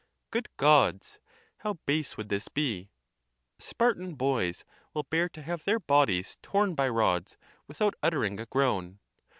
Good Gods! how base would this be! . Spartan boys will bear to have their bodies torn by rods without uttering a groan.